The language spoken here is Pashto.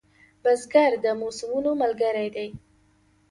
بزګر د موسمونو ملګری دی